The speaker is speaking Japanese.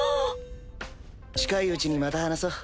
近いうちにまた話そう。